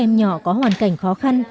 các em nhỏ có hoàn cảnh khó khăn